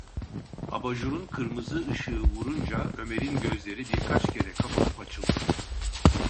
Abajurun kırmızı ışığı vurunca Ömer’in gözleri birkaç kere kapanıp açıldı.